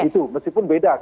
itu meskipun beda